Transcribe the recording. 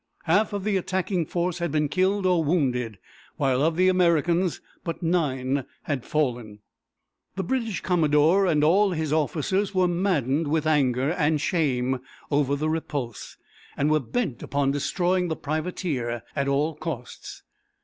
Half of the attacking force had been killed or wounded, while of the Americans but nine had fallen. The British commodore and all his officers were maddened with anger and shame over the repulse, and were bent upon destroying the privateer at all costs.